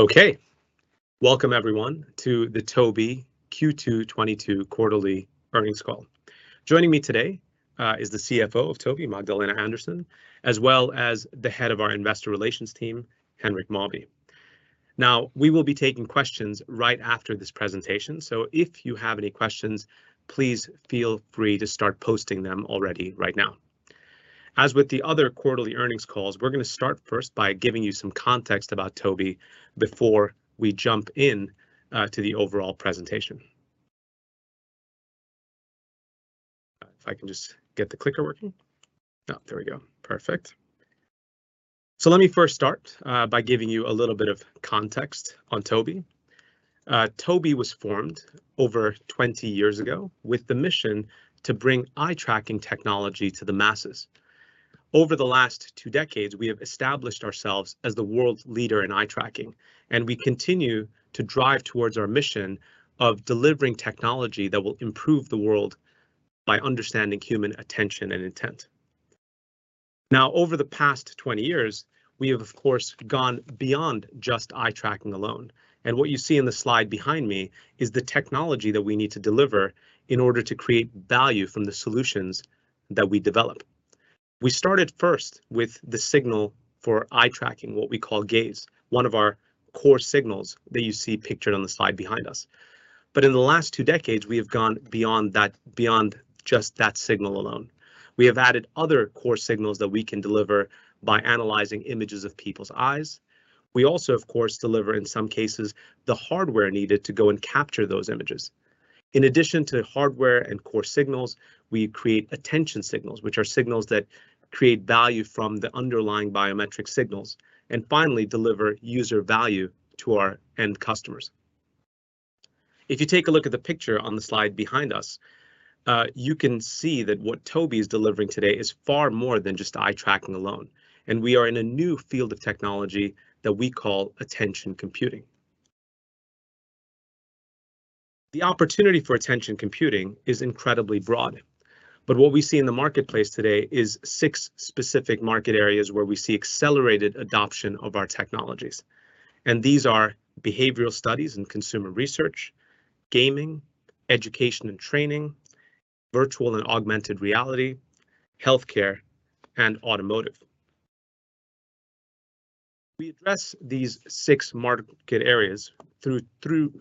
Okay. Welcome everyone to the Tobii Q2 2022 quarterly earnings call. Joining me today is the CFO of Tobii, Magdalena Andersson, as well as the head of our investor relations team, Henrik Mawby. Now, we will be taking questions right after this presentation, so if you have any questions, please feel free to start posting them already right now. As with the other quarterly earnings calls, we're going to start first by giving you some context about Tobii before we jump in to the overall presentation. If I can just get the clicker working. There we go. Perfect. Let me first start by giving you a little bit of context on Tobii. Tobii was formed over 20 years ago with the mission to bring eye tracking technology to the masses. Over the last two decades, we have established ourselves as the world leader in eye tracking, and we continue to drive towards our mission of delivering technology that will improve the world by understanding human attention and intent. Now, over the past 20 years, we have of course gone beyond just eye tracking alone, and what you see in the slide behind me is the technology that we need to deliver in order to create value from the solutions that we develop. We started first with the signal for eye tracking, what we call gaze, one of our core signals that you see pictured on the slide behind us. In the last two decades we have gone beyond that, beyond just that signal alone. We have added other core signals that we can deliver by analyzing images of people's eyes. We also of course deliver in some cases the hardware needed to go and capture those images. In addition to hardware and core signals, we create attention signals, which are signals that create value from the underlying biometric signals, and finally deliver user value to our end customers. If you take a look at the picture on the slide behind us, you can see that what Tobii's delivering today is far more than just eye tracking alone, and we are in a new field of technology that we call attention computing. The opportunity for attention computing is incredibly broad, but what we see in the marketplace today is six specific market areas where we see accelerated adoption of our technologies, and these are behavioral studies and consumer research, gaming, education and training, virtual and augmented reality, healthcare, and automotive. We address these six market areas through two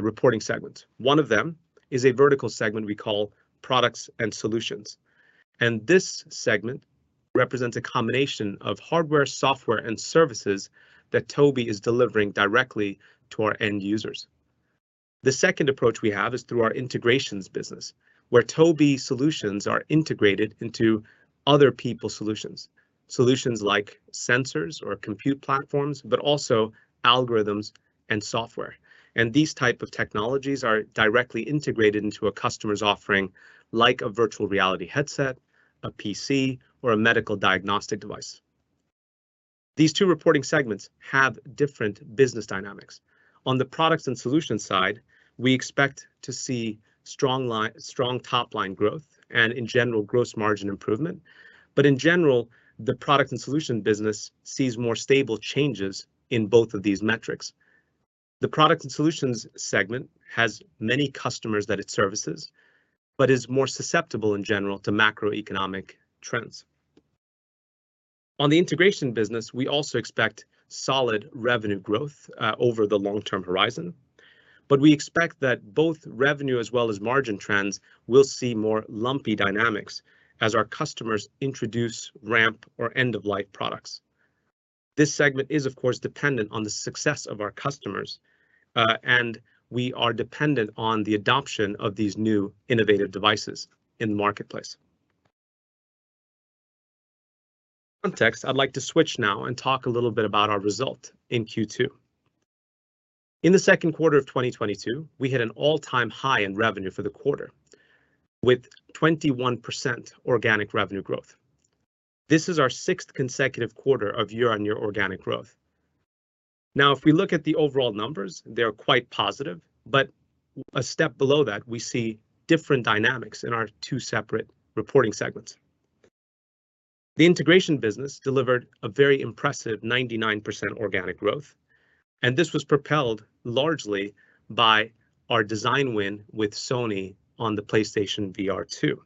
reporting segments. One of them is a vertical segment we call products and solutions, and this segment represents a combination of hardware, software, and services that Tobii is delivering directly to our end users. The second approach we have is through our integrations business, where Tobii solutions are integrated into other people's solutions like sensors or compute platforms, but also algorithms and software. These type of technologies are directly integrated into a customer's offering, like a virtual reality headset, a PC, or a medical diagnostic device. These two reporting segments have different business dynamics. On the products and solutions side, we expect to see strong top line growth, and in general gross margin improvement. In general, the product and solution business sees more stable changes in both of these metrics. The product and solutions segment has many customers that it services, but is more susceptible in general to macroeconomic trends. On the integration business, we also expect solid revenue growth over the long term horizon, but we expect that both revenue as well as margin trends will see more lumpy dynamics as our customers introduce ramp or end of life products. This segment is of course dependent on the success of our customers, and we are dependent on the adoption of these new innovative devices in the marketplace. I'd like to switch now and talk a little bit about our result in Q2. In the second quarter of 2022, we hit an all-time high in revenue for the quarter, with 21% organic revenue growth. This is our sixth consecutive quarter of year-on-year organic growth. Now if we look at the overall numbers, they're quite positive, but a step below that we see different dynamics in our two separate reporting segments. The integration business delivered a very impressive 99% organic growth, and this was propelled largely by our design win with Sony on the PlayStation VR2.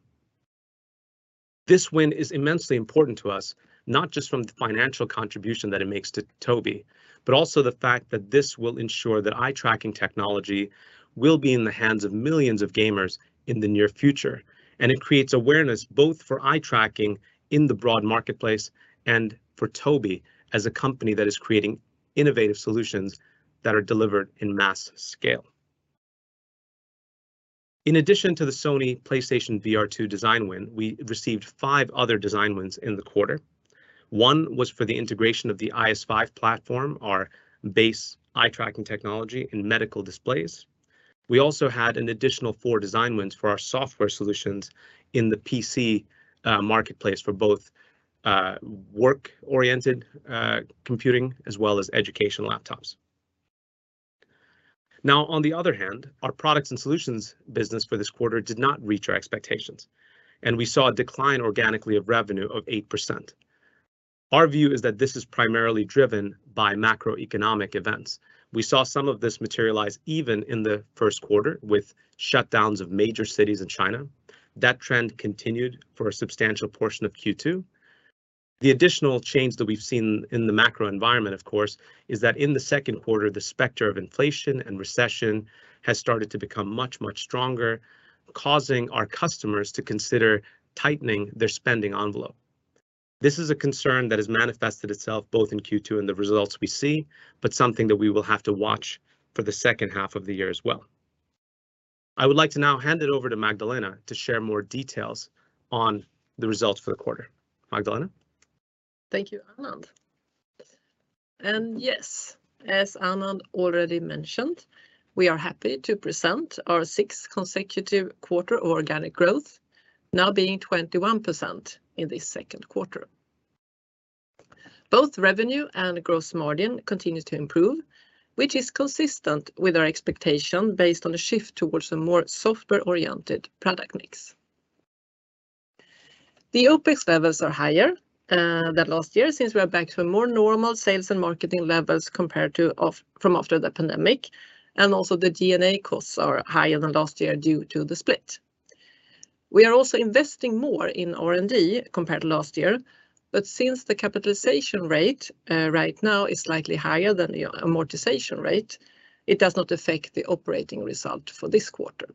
This win is immensely important to us, not just from the financial contribution that it makes to Tobii, but also the fact that this will ensure that eye tracking technology will be in the hands of millions of gamers in the near future. It creates awareness both for eye tracking in the broad marketplace and for Tobii as a company that is creating innovative solutions that are delivered in mass scale. In addition to the Sony PlayStation VR2 design win, we received five other design wins in the quarter. One was for the integration of the IS5 platform, our base eye tracking technology in medical displays. We also had an additional four design wins for our software solutions in the PC marketplace for both work-oriented computing as well as education laptops. Now, on the other hand, our products and solutions business for this quarter did not reach our expectations, and we saw a decline organically of revenue of 8%. Our view is that this is primarily driven by macroeconomic events. We saw some of this materialize even in the first quarter with shutdowns of major cities in China. That trend continued for a substantial portion of Q2. The additional change that we've seen in the macro environment, of course, is that in the second quarter, the specter of inflation and recession has started to become much, much stronger, causing our customers to consider tightening their spending envelope. This is a concern that has manifested itself both in Q2 and the results we see, but something that we will have to watch for the second half of the year as well. I would like to now hand it over to Magdalena to share more details on the results for the quarter. Magdalena? Thank you, Anand. Yes, as Anand already mentioned, we are happy to present our sixth consecutive quarter organic growth now being 21% in this second quarter. Both revenue and gross margin continue to improve, which is consistent with our expectation based on a shift towards a more software-oriented product mix. The OpEx levels are higher than last year since we are back to a more normal sales and marketing levels compared to from after the pandemic, and also the G&A costs are higher than last year due to the split. We are also investing more in R&D compared to last year, but since the capitalization rate right now is slightly higher than the amortization rate, it does not affect the operating result for this quarter.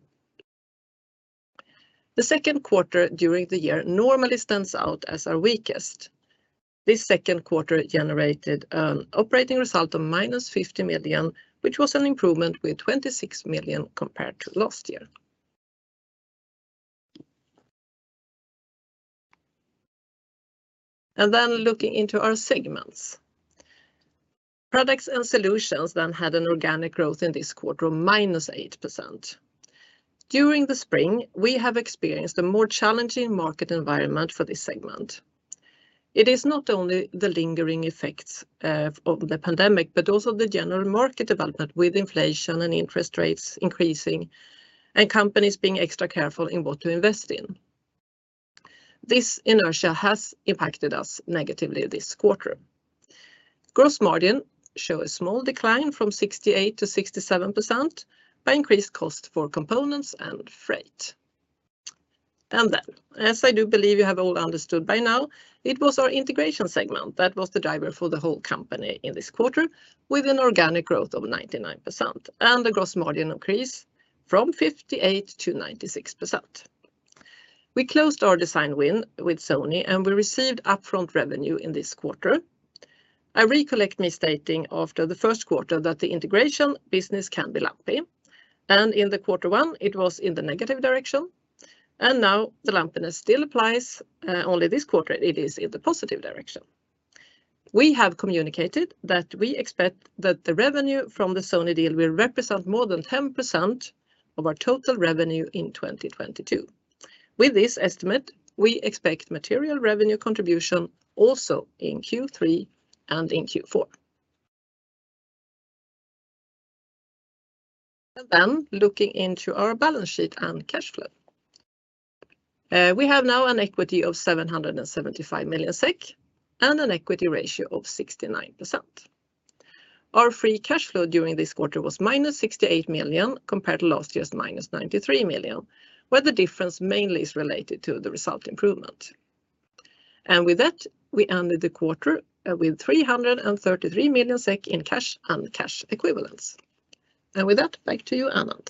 The second quarter during the year normally stands out as our weakest. This second quarter generated an operating result of -50 million, which was an improvement with 26 million compared to last year. Looking into our segments. Products and solutions then had an organic growth in this quarter minus 8%. During the spring, we have experienced a more challenging market environment for this segment. It is not only the lingering effects of the pandemic, but also the general market development with inflation and interest rates increasing and companies being extra careful in what to invest in. This inertia has impacted us negatively this quarter. Gross margin show a small decline from 68%-67% by increased cost for components and freight. As I do believe you have all understood by now, it was our integration segment that was the driver for the whole company in this quarter with an organic growth of 99% and a gross margin increase from 58% to 96%. We closed our design win with Sony, and we received upfront revenue in this quarter. I recollect me stating after the first quarter that the integration business can be lumpy, and in the quarter one it was in the negative direction, and now the lumpiness still applies, only this quarter it is in the positive direction. We have communicated that we expect that the revenue from the Sony deal will represent more than 10% of our total revenue in 2022. With this estimate, we expect material revenue contribution also in Q3 and in Q4. Looking into our balance sheet and cash flow. We have now an equity of 775 million SEK and an equity ratio of 69%. Our free cash flow during this quarter was -68 million compared to last year's -93 million, where the difference mainly is related to the result improvement. With that, we ended the quarter with 333 million SEK in cash and cash equivalents. With that, back to you, Anand.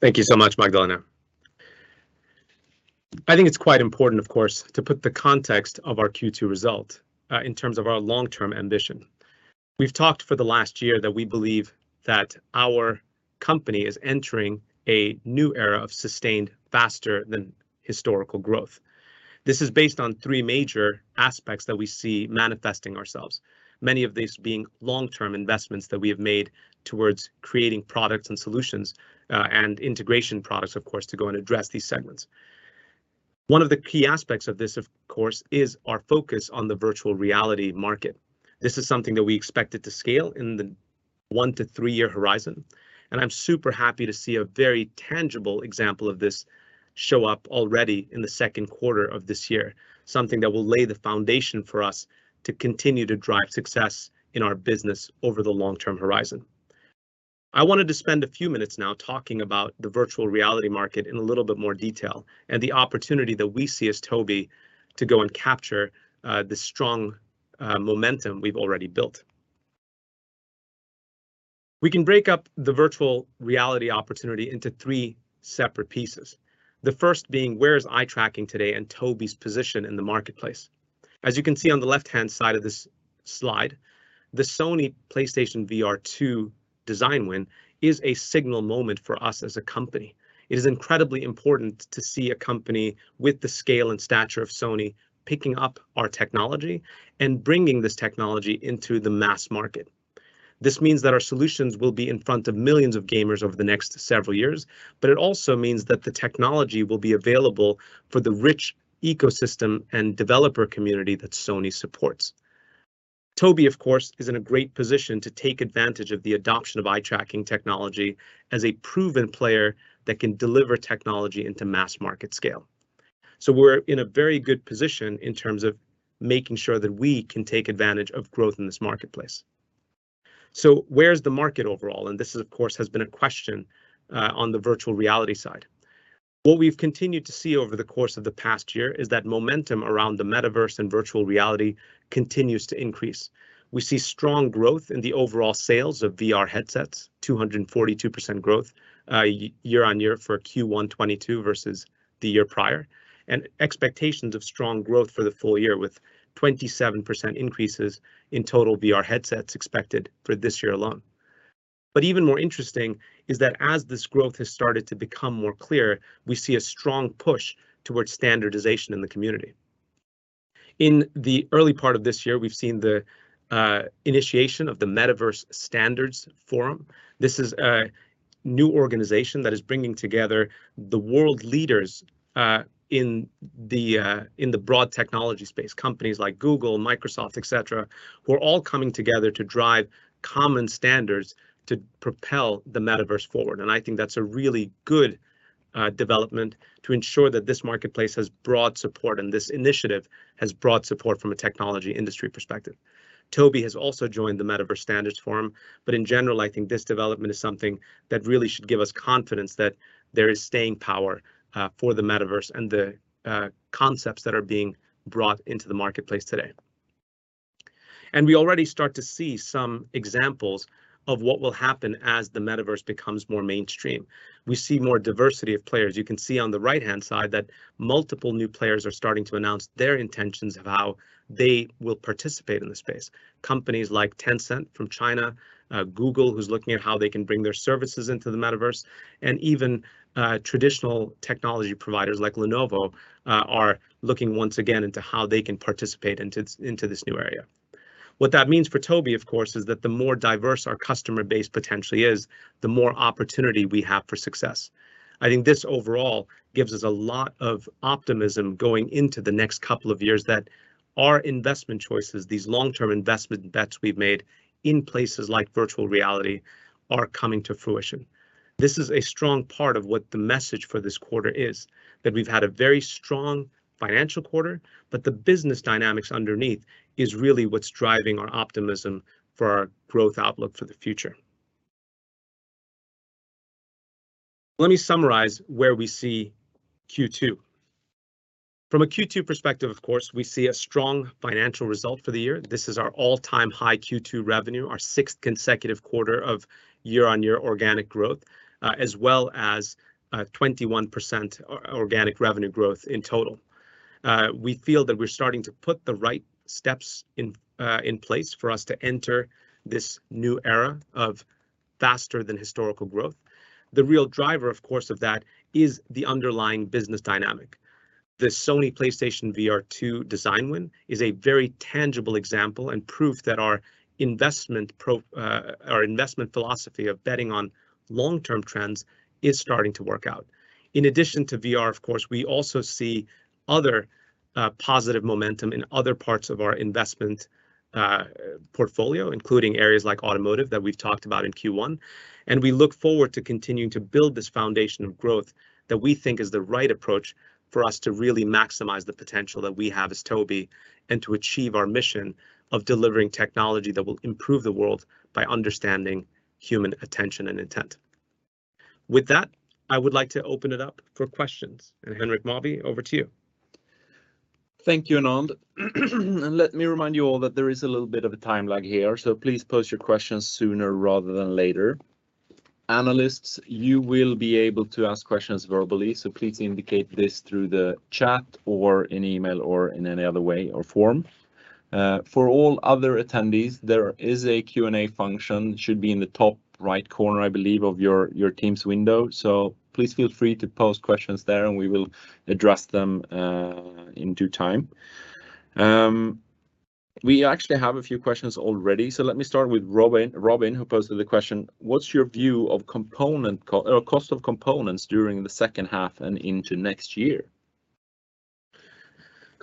Thank you so much, Magdalena. I think it's quite important, of course, to put the context of our Q2 result in terms of our long-term ambition. We've talked for the last year that we believe that our company is entering a new era of sustained faster than historical growth. This is based on three major aspects that we see manifesting ourselves, many of these being long-term investments that we have made towards creating products and solutions, and integration products, of course, to go and address these segments. One of the key aspects of this, of course, is our focus on the virtual reality market. This is something that we expected to scale in the 1-3-year horizon, and I'm super happy to see a very tangible example of this show up already in the second quarter of this year, something that will lay the foundation for us to continue to drive success in our business over the long-term horizon. I wanted to spend a few minutes now talking about the virtual reality market in a little bit more detail and the opportunity that we see as Tobii to go and capture the strong momentum we've already built. We can break up the virtual reality opportunity into three separate pieces. The first being. Where is eye tracking today and Tobii's position in the marketplace? As you can see on the left-hand side of this slide, the Sony PlayStation VR2 design win is a seminal moment for us as a company. It is incredibly important to see a company with the scale and stature of Sony picking up our technology and bringing this technology into the mass market. This means that our solutions will be in front of millions of gamers over the next several years, but it also means that the technology will be available for the rich ecosystem and developer community that Sony supports. Tobii, of course, is in a great position to take advantage of the adoption of eye tracking technology as a proven player that can deliver technology into mass market scale. We're in a very good position in terms of making sure that we can take advantage of growth in this marketplace. Where's the market overall? This is, of course, has been a question on the virtual reality side. What we've continued to see over the course of the past year is that momentum around the metaverse and virtual reality continues to increase. We see strong growth in the overall sales of VR headsets, 242% growth, year-over-year for Q1 2022 versus the year prior, and expectations of strong growth for the full year with 27% increases in total VR headsets expected for this year alone. Even more interesting is that as this growth has started to become more clear, we see a strong push towards standardization in the community. In the early part of this year, we've seen the initiation of the Metaverse Standards Forum. This is a new organization that is bringing together the world leaders in the broad technology space. Companies like Google, Microsoft, et cetera, who are all coming together to drive common standards to propel the metaverse forward, and I think that's a really good development to ensure that this marketplace has broad support and this initiative has broad support from a technology industry perspective. Tobii has also joined the Metaverse Standards Forum, but in general, I think this development is something that really should give us confidence that there is staying power for the metaverse and the concepts that are being brought into the marketplace today. We already start to see some examples of what will happen as the metaverse becomes more mainstream. We see more diversity of players. You can see on the right-hand side that multiple new players are starting to announce their intentions of how they will participate in the space. Companies like Tencent from China, Google, who's looking at how they can bring their services into the metaverse, and even traditional technology providers like Lenovo are looking once again into how they can participate into this new area. What that means for Tobii, of course, is that the more diverse our customer base potentially is, the more opportunity we have for success. I think this overall gives us a lot of optimism going into the next couple of years that our investment choices, these long-term investment bets we've made in places like virtual reality, are coming to fruition. This is a strong part of what the message for this quarter is, that we've had a very strong financial quarter, but the business dynamics underneath is really what's driving our optimism for our growth outlook for the future. Let me summarize where we see Q2. From a Q2 perspective, of course, we see a strong financial result for the year. This is our all-time high Q2 revenue, our sixth consecutive quarter of year-on-year organic growth, as well as, 21% organic revenue growth in total. We feel that we're starting to put the right steps in place for us to enter this new era of faster than historical growth. The real driver, of course, of that is the underlying business dynamic. The Sony PlayStation VR2 design win is a very tangible example and proof that our investment philosophy of betting on long-term trends is starting to work out. In addition to VR, of course, we also see other, positive momentum in other parts of our investment, portfolio, including areas like automotive that we've talked about in Q1, and we look forward to continuing to build this foundation of growth that we think is the right approach for us to really maximize the potential that we have as Tobii and to achieve our mission of delivering technology that will improve the world by understanding human attention and intent. With that, I would like to open it up for questions. Henrik Mawby, over to you. Thank you, Anand. Let me remind you all that there is a little bit of a time lag here, so please pose your questions sooner rather than later. Analysts, you will be able to ask questions verbally, so please indicate this through the chat or in email or in any other way or form. For all other attendees, there is a Q&A function. It should be in the top right corner, I believe, of your team's window. Please feel free to pose questions there, and we will address them in due time. We actually have a few questions already. Let me start with Robin, who poses the question: What's your view of cost of components during the second half and into next year?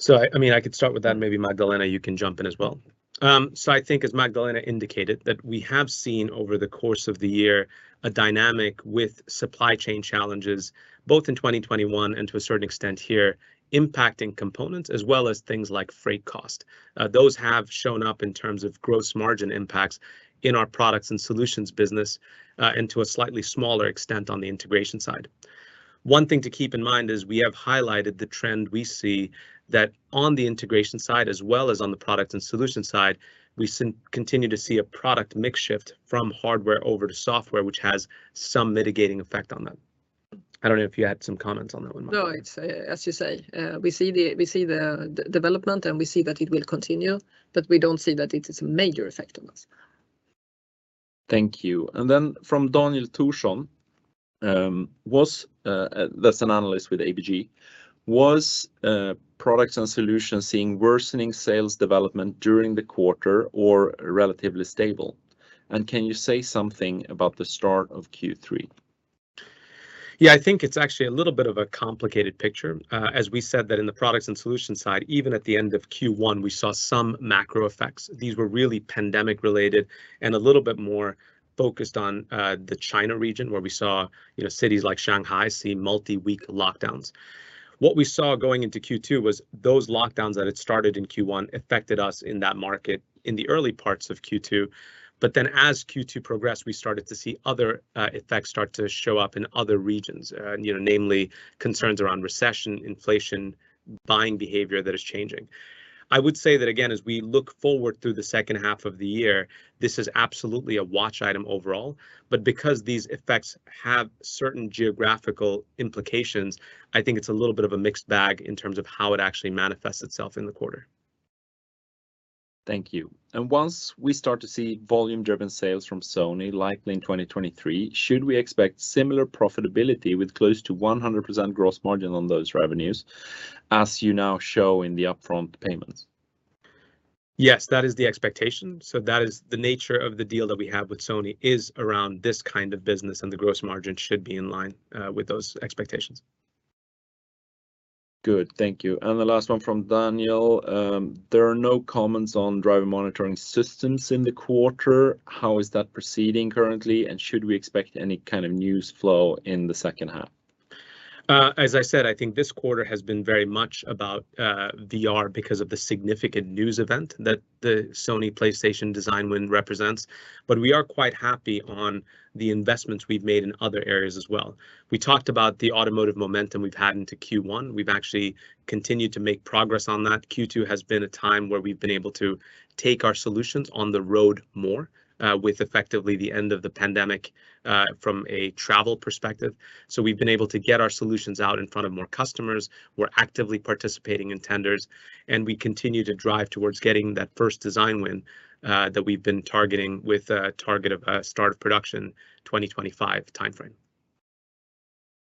I mean, I could start with that, and maybe Magdalena, you can jump in as well. I think as Magdalena indicated, that we have seen over the course of the year a dynamic with supply chain challenges, both in 2021 and to a certain extent here, impacting components as well as things like freight cost. Those have shown up in terms of gross margin impacts in our products and solutions business, and to a slightly smaller extent on the integration side. One thing to keep in mind is we have highlighted the trend we see that on the integration side as well as on the product and solution side, we continue to see a product mix shift from hardware over to software, which has some mitigating effect on that. I don't know if you had some comments on that one, Magdalena. No, it's as you say, we see the development, and we see that it will continue, but we don't see that it is a major effect on us. Thank you. From Daniel Thorsson, that's an analyst with ABG: Are products and solutions seeing worsening sales development during the quarter or relatively stable? Can you say something about the start of Q3? Yeah, I think it's actually a little bit of a complicated picture. As we said that in the products and solutions side, even at the end of Q1, we saw some macro effects. These were really pandemic related, and a little bit more focused on, the China region, where we saw cities like Shanghai see multi-week lockdowns. What we saw going into Q2 was those lockdowns that had started in Q1 affected us in that market in the early parts of Q2. As Q2 progressed, we started to see other, effects start to show up in other regions namely concerns around recession, inflation, buying behavior that is changing. I would say that again, as we look forward through the second half of the year, this is absolutely a watch item overall, but because these effects have certain geographical implications, I think it's a little bit of a mixed bag in terms of how it actually manifests itself in the quarter. Thank you. Once we start to see volume-driven sales from Sony, likely in 2023, should we expect similar profitability with close to 100% gross margin on those revenues, as you now show in the upfront payments? Yes, that is the expectation. That is the nature of the deal that we have with Sony is around this kind of business, and the gross margin should be in line with those expectations. Good. Thank you. The last one from Daniel. There are no comments on driver monitoring systems in the quarter. How is that proceeding currently, and should we expect any kind of news flow in the second half? As I said, I think this quarter has been very much about VR because of the significant news event that the Sony PlayStation design win represents. We are quite happy with the investments we've made in other areas as well. We talked about the automotive momentum we've had into Q1. We've actually continued to make progress on that. Q2 has been a time where we've been able to take our solutions on the road more, with effectively the end of the pandemic, from a travel perspective. We've been able to get our solutions out in front of more customers. We're actively participating in tenders, and we continue to drive towards getting that first design win that we've been targeting with a target of start of production 2025 timeframe.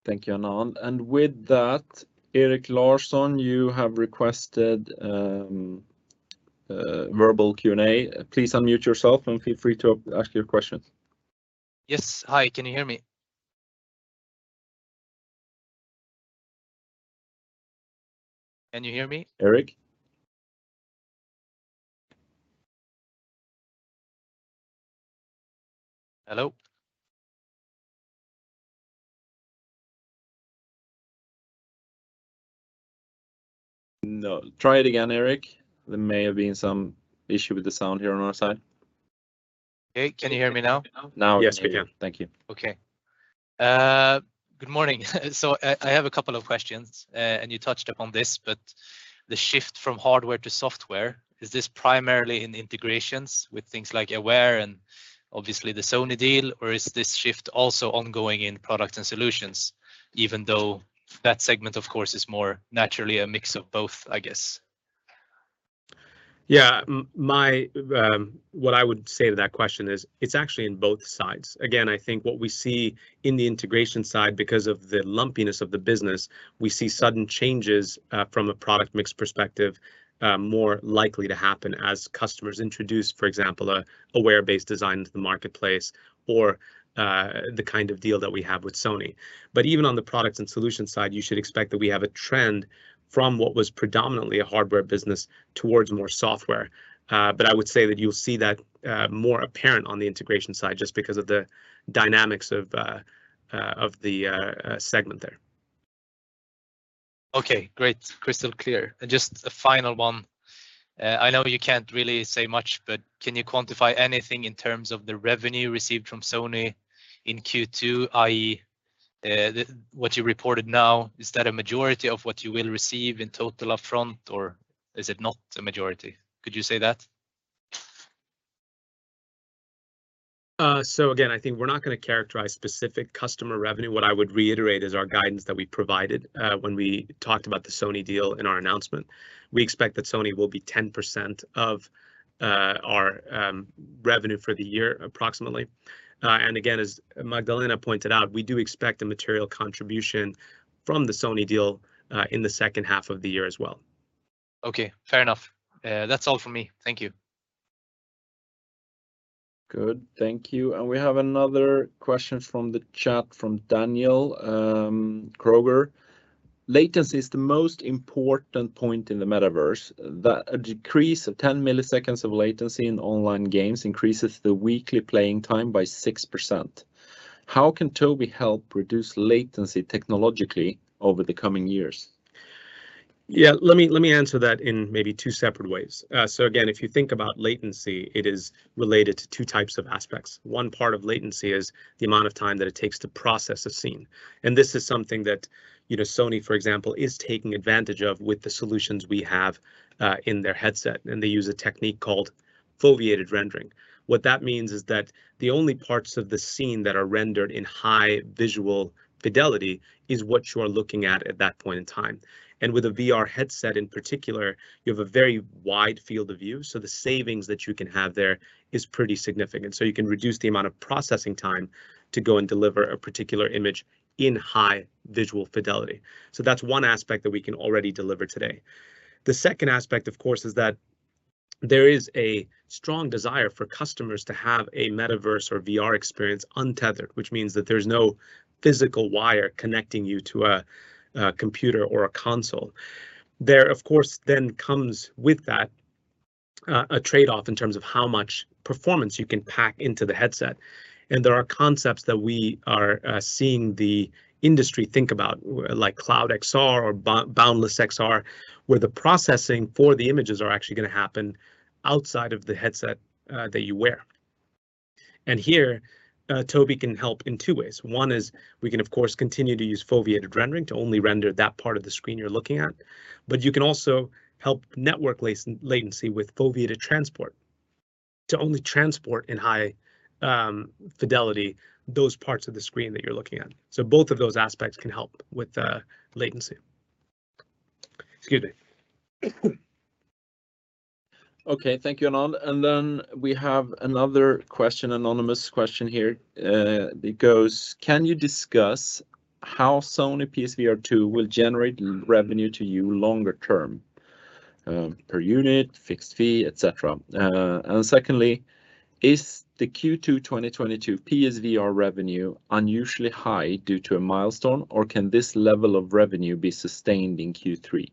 Thank you, Anand. With that, Erik Larsson, you have requested verbal Q&A. Please unmute yourself and feel free to ask your questions. Yes. Hi, can you hear me? Can you hear me? Erik? Hello? No. Try it again, Erik. There may have been some issue with the sound here on our side. Okay. Can you hear me now? Now we can. Yes, we can. Thank you. Okay. Good morning. I have a couple of questions, and you touched upon this, but the shift from hardware to software, is this primarily in integrations with things like Aware and obviously the Sony deal, or is this shift also ongoing in products and solutions, even though that segment, of course, is more naturally a mix of both, I guess? Yeah. My what I would say to that question is it's actually in both sides. Again, I think what we see in the integration side, because of the lumpiness of the business, we see sudden changes from a product mix perspective more likely to happen as customers introduce, for example, a Aware-based design to the marketplace or the kind of deal that we have with Sony. Even on the products and solutions side, you should expect that we have a trend from what was predominantly a hardware business towards more software. I would say that you'll see that more apparent on the integration side just because of the dynamics of the segment there. Okay. Great. Crystal clear. Just a final one. I know you can't really say much, but can you quantify anything in terms of the revenue received from Sony in Q2, i.e., the what you reported now, is that a majority of what you will receive in total upfront, or is it not a majority? Could you say that? Again, I think we're not going to characterize specific customer revenue. What I would reiterate is our guidance that we provided when we talked about the Sony deal in our announcement. We expect that Sony will be 10% of our revenue for the year approximately. Again, as Magdalena pointed out, we do expect a material contribution from the Sony deal in the second half of the year as well. Okay. Fair enough. That's all from me. Thank you. Good. Thank you. We have another question from the chat from Daniel Kroeger. Latency is the most important point in the metaverse. A decrease of 10 milliseconds of latency in online games increases the weekly playing time by 6%. How can Tobii help reduce latency technologically over the coming years? Yeah, let me answer that in maybe two separate ways. So again, if you think about latency, it is related to two types of aspects. One part of latency is the amount of time that it takes to process a scene, and this is something that Sony, for example, is taking advantage of with the solutions we have in their headset, and they use a technique called foveated rendering. What that means is that the only parts of the scene that are rendered in high visual fidelity is what you are looking at at that point in time. With a VR headset in particular, you have a very wide field of view, so the savings that you can have there is pretty significant. You can reduce the amount of processing time to go and deliver a particular image in high visual fidelity. That's one aspect that we can already deliver today. The second aspect, of course, is that there is a strong desire for customers to have a metaverse or VR experience untethered, which means that there's no physical wire connecting you to a computer or a console. Of course, then comes with that a trade-off in terms of how much performance you can pack into the headset, and there are concepts that we are seeing the industry think about, like CloudXR or Boundless XR, where the processing for the images are actually going to happen outside of the headset that you wear. Here, Tobii can help in two ways. One is we can, of course, continue to use foveated rendering to only render that part of the screen you're looking at, but you can also help network latency with foveated transport to only transport in high fidelity those parts of the screen that you're looking at. Both of those aspects can help with the latency. Excuse me. Okay. Thank you, Anand. We have another question, anonymous question here. It goes, "Can you discuss how Sony PS VR2 will generate revenue to you longer term, per unit, fixed fee, et cetera? And secondly, is the Q2 2022 PS VR revenue unusually high due to a milestone, or can this level of revenue be sustained in Q3?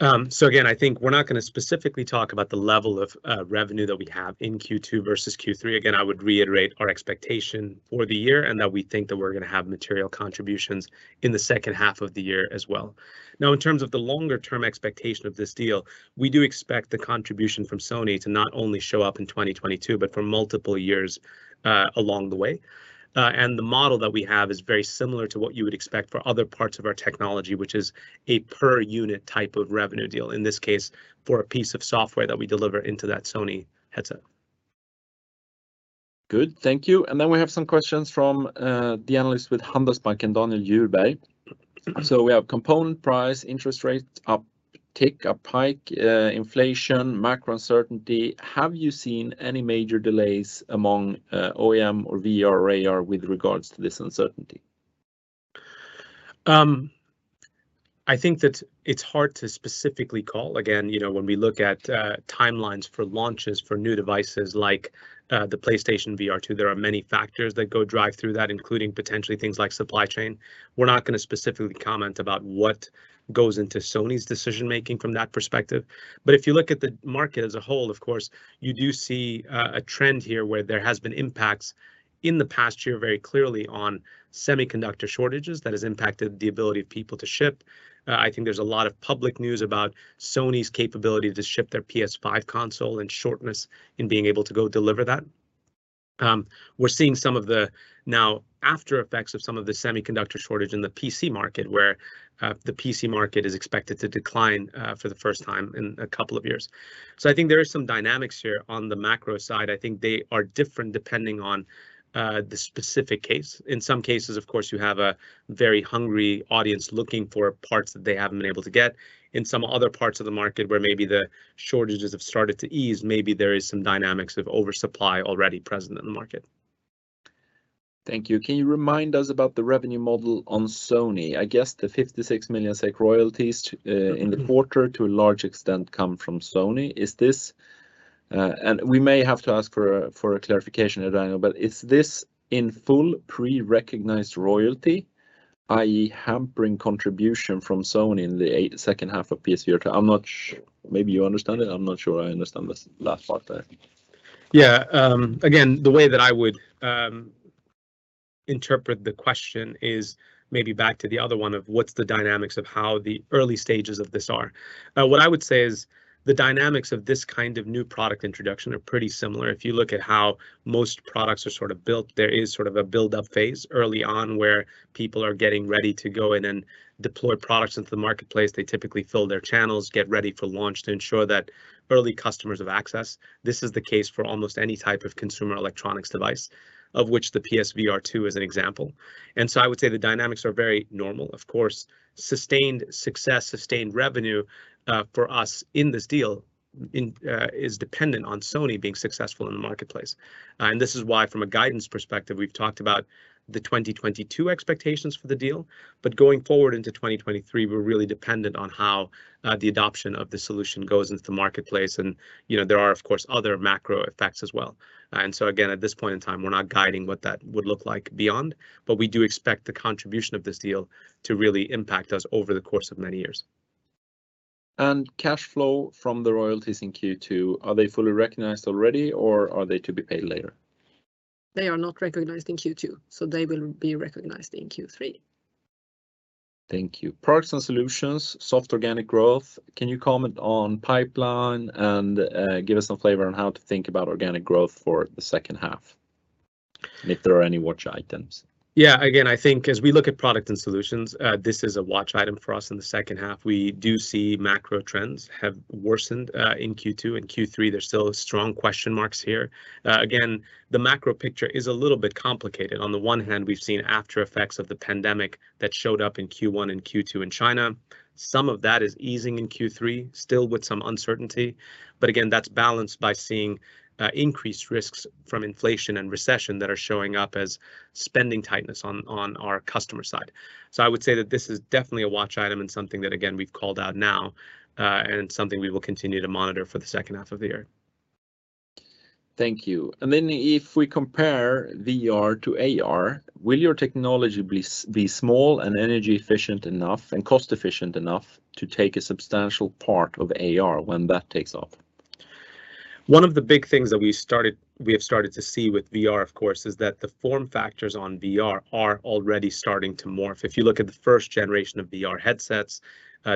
Again, I think we're not going to specifically talk about the level of revenue that we have in Q2 versus Q3. Again, I would reiterate our expectation for the year in that we think that we're going to have material contributions in the second half of the year as well. Now, in terms of the longer term expectation of this deal, we do expect the contribution from Sony to not only show up in 2022, but for multiple years along the way. The model that we have is very similar to what you would expect for other parts of our technology, which is a per unit type of revenue deal, in this case, for a piece of software that we deliver into that Sony headset. Good. Thank you. We have some questions from the analyst with Handelsbanken, Daniel Djurberg. We have component price, interest rates uptick, hike, inflation, macro uncertainty. Have you seen any major delays among OEM or VR/AR with regards to this uncertainty? I think that it's hard to specifically call. Again, you know, when we look at timelines for launches for new devices like the PlayStation VR2, there are many factors that go into that, including potentially things like supply chain. We're not going to specifically comment about what goes into Sony's decision-making from that perspective. If you look at the market as a whole, of course, you do see a trend here where there has been impacts in the past year very clearly on semiconductor shortages that has impacted the ability of people to ship. I think there's a lot of public news about Sony's capability to ship their PS5 console and shortages in being able to go deliver that. We're seeing some of the now aftereffects of some of the semiconductor shortage in the PC market, where the PC market is expected to decline for the first time in a couple of years. I think there are some dynamics here on the macro side. I think they are different depending on the specific case. In some cases, of course, you have a very hungry audience looking for parts that they haven't been able to get. In some other parts of the market where maybe the shortages have started to ease, maybe there is some dynamics of oversupply already present in the market. Thank you. Can you remind us about the revenue model on Sony? I guess the 56 million SEK royalties in the quarter, to a large extent, come from Sony. We may have to ask for a clarification, Anand, but is this in full pre-recognized royalty, i.e. hampering contribution from Sony in the late second half of PS VR2? Maybe you understand it. I'm not sure I understand this last part there. Yeah. Again, the way that I would interpret the question is maybe back to the other one of what's the dynamics of how the early stages of this are. What I would say is the dynamics of this kind of new product introduction are pretty similar. If you look at how most products are sort of built, there is sort of a build-up phase early on where people are getting ready to go in and deploy products into the marketplace. They typically fill their channels, get ready for launch to ensure that early customers have access. This is the case for almost any type of consumer electronics device, of which the PS VR2 is an example. I would say the dynamics are very normal. Of course, sustained success, sustained revenue, for us in this deal is dependent on Sony being successful in the marketplace. This is why, from a guidance perspective, we've talked about the 2022 expectations for the deal. Going forward into 2023, we're really dependent on how the adoption of the solution goes into the marketplace. You know, there are, of course, other macro effects as well. Again, at this point in time, we're not guiding what that would look like beyond, but we do expect the contribution of this deal to really impact us over the course of many years. Cash flow from the royalties in Q2, are they fully recognized already, or are they to be paid later? They are not recognized in Q2, so they will be recognized in Q3. Thank you. Products and solutions, soft organic growth. Can you comment on pipeline and give us some flavor on how to think about organic growth for the second half, and if there are any watch items? Yeah. Again, I think as we look at product and solutions, this is a watch item for us in the second half. We do see macro trends have worsened in Q2 and Q3. There's still strong question marks here. Again, the macro picture is a little bit complicated. On the one hand, we've seen aftereffects of the pandemic that showed up in Q1 and Q2 in China. Some of that is easing in Q3, still with some uncertainty. Again, that's balanced by seeing increased risks from inflation and recession that are showing up as spending tightness on our customer side. I would say that this is definitely a watch item and something that, again, we've called out now, and something we will continue to monitor for the second half of the year. Thank you. If we compare VR to AR, will your technology be small and energy efficient enough and cost efficient enough to take a substantial part of AR when that takes off? One of the big things that we have started to see with VR, of course, is that the form factors on VR are already starting to morph. If you look at the first generation of VR headsets,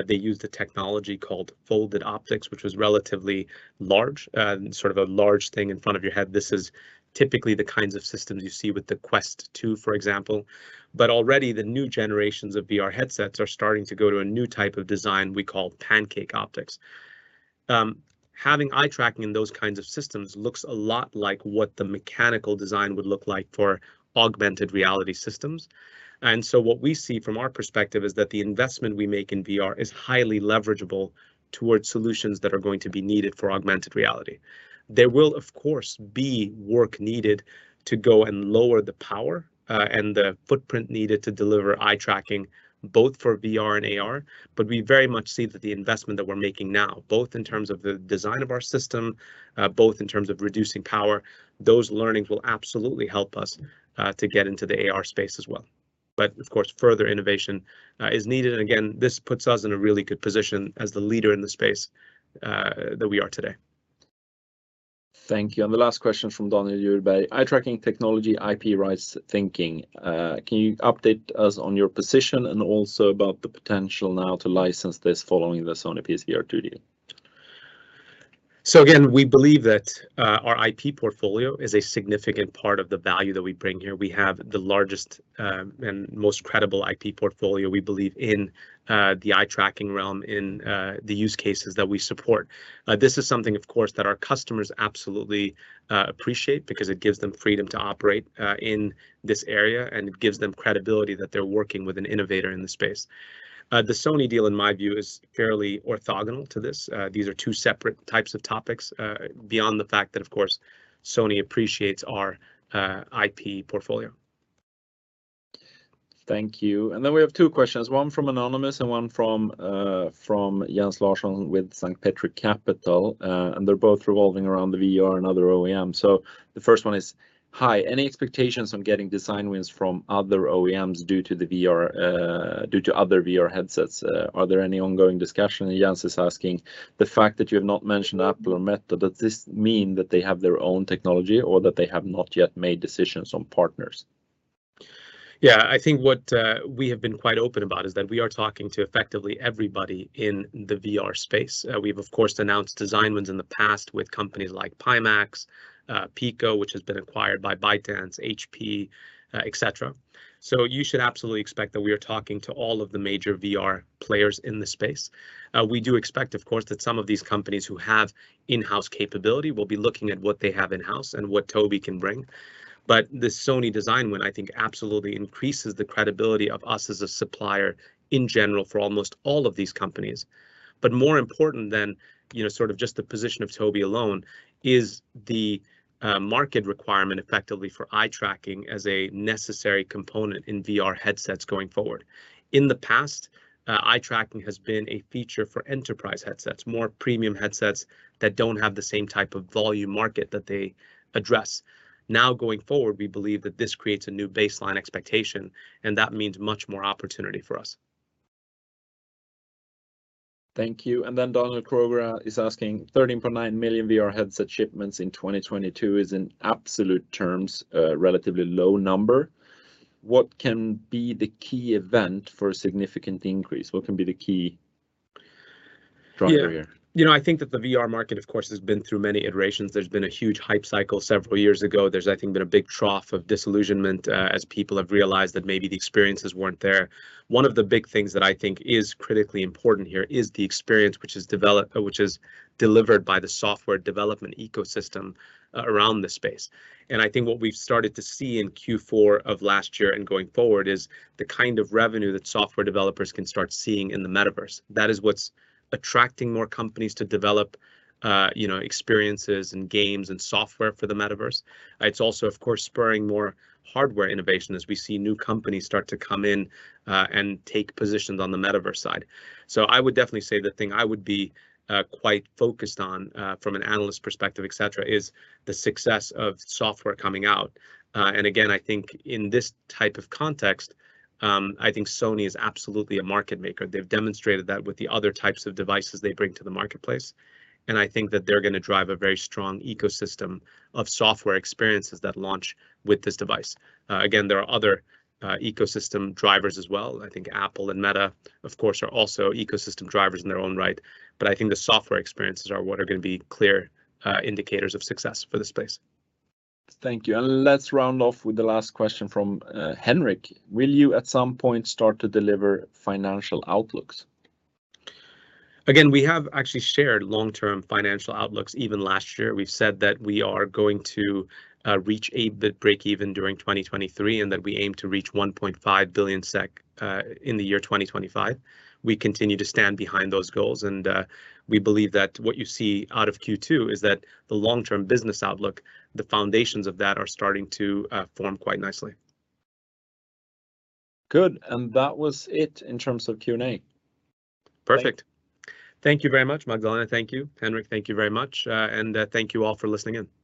they used a technology called folded optics, which was relatively large, sort of a large thing in front of your head. This is typically the kinds of systems you see with the Quest 2, for example. But already the new generations of VR headsets are starting to go to a new type of design we call pancake optics. Having eye tracking in those kinds of systems looks a lot like what the mechanical design would look like for augmented reality systems. What we see from our perspective is that the investment we make in VR is highly leverageable towards solutions that are going to be needed for augmented reality. There will, of course, be work needed to go and lower the power, and the footprint needed to deliver eye tracking both for VR and AR. We very much see that the investment that we're making now, both in terms of the design of our system, reducing power, those learnings will absolutely help us, to get into the AR space as well. Of course, further innovation is needed. Again, this puts us in a really good position as the leader in the space, that we are today. Thank you. The last question from Daniel Djurberg. Eye tracking technology, IP rights thinking, can you update us on your position and also about the potential now to license this following the Sony PSVR 2 deal? Again, we believe that our IP portfolio is a significant part of the value that we bring here. We have the largest and most credible IP portfolio we believe in the eye tracking realm in the use cases that we support. This is something of course that our customers absolutely appreciate because it gives them freedom to operate in this area. And it gives them credibility that they're working with an innovator in the space. The Sony deal in my view is fairly orthogonal to this. These are two separate types of topics beyond the fact that of course Sony appreciates our IP portfolio. Thank you. We have two questions, one from anonymous and one from Jens Larsson with St. Petri Capital. They're both revolving around the VR and other OEM. The first one is, "Hi, any expectations on getting design wins from other OEMs due to other VR headsets? Are there any ongoing discussion?" Jens is asking, "The fact that you have not mentioned Apple or Meta, does this mean that they have their own technology or that they have not yet made decisions on partners? Yeah, I think what we have been quite open about is that we are talking to effectively everybody in the VR space. We've of course announced design wins in the past with companies like Pimax, Pico, which has been acquired by ByteDance, HP, et cetera. You should absolutely expect that we are talking to all of the major VR players in the space. We do expect, of course, that some of these companies who have in-house capability will be looking at what they have in-house and what Tobii can bring. The Sony design win I think absolutely increases the credibility of us as a supplier in general for almost all of these companies. More important than sort of just the position of Tobii alone is the, market requirement effectively for eye tracking as a necessary component in VR headsets going forward. In the past, eye tracking has been a feature for enterprise headsets, more premium headsets that don't have the same type of volume market that they address. Now going forward, we believe that this creates a new baseline expectation, and that means much more opportunity for us. Thank you. Daniel Kroeger is asking, "13.9 million VR headset shipments in 2022 is in absolute terms a relatively low number. What can be the key event for a significant increase? What can be the key driver here? Yeah. I think that the VR market, of course, has been through many iterations. There's been a huge hype cycle several years ago. There's, I think, been a big trough of disillusionment as people have realized that maybe the experiences weren't there. One of the big things that I think is critically important here is the experience which is delivered by the software development ecosystem around the space. I think what we've started to see in Q4 of last year and going forward is the kind of revenue that software developers can start seeing in the metaverse. That is what's attracting more companies to develop experiences and games and software for the metaverse. It's also, of course, spurring more hardware innovation as we see new companies start to come in and take positions on the metaverse side. I would definitely say the thing I would be quite focused on from an analyst perspective, et cetera, is the success of software coming out. I think in this type of context, I think Sony is absolutely a market maker. They've demonstrated that with the other types of devices they bring to the marketplace, and I think that they're going to drive a very strong ecosystem of software experiences that launch with this device. Again, there are other ecosystem drivers as well. I think Apple and Meta, of course, are also ecosystem drivers in their own right. I think the software experiences are what are going to be clear indicators of success for this space. Thank you. Let's round off with the last question from, Henrik. "Will you at some point start to deliver financial outlooks? Again, we have actually shared long-term financial outlooks even last year. We've said that we are going to reach EBIT breakeven during 2023, and that we aim to reach 1.5 billion SEK in the year 2025. We continue to stand behind those goals, and we believe that what you see out of Q2 is that the long-term business outlook, the foundations of that are starting to form quite nicely. Good. That was it in terms of Q&A. Perfect. Thank you very much, Magdalena. Thank you, Henrik. Thank you very much. Thank you all for listening in.